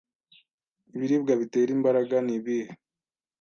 Ibiribwa bitera imbaraga nibihe